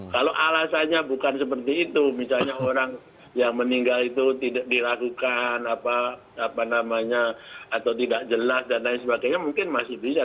kalau alasannya bukan seperti itu misalnya orang yang meninggal itu tidak diragukan apa namanya atau tidak jelas dan lain sebagainya mungkin masih bisa